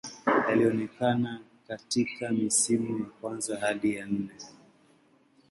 Alionekana katika misimu ya kwanza hadi minne.